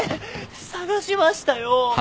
捜しましたよ！